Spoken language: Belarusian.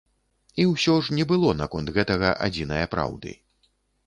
І ўсё ж не было наконт гэтага адзінае праўды.